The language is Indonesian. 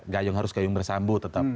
gayung harus gayung bersambu tetap